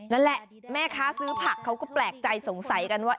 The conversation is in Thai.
นั่นแหละแม่ค้าซื้อผักเขาก็แปลกใจสงสัยกันว่า